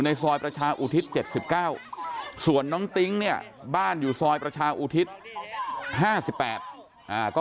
ซอยประชาอุทิศ๗๙ส่วนน้องติ๊งเนี่ยบ้านอยู่ซอยประชาอุทิศ๕๘ก็